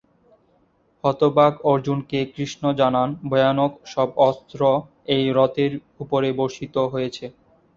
হতবাক অর্জুনকে কৃষ্ণ জানান, ভয়ানক সব অস্ত্র এই রথের উপরে বর্ষিত হয়েছে।